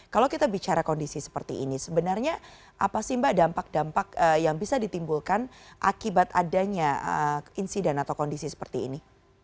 kalau kita bicara kondisi seperti ini sebenarnya apa sih mbak dampak dampak yang bisa ditimbulkan akibat adanya insiden atau kondisi seperti ini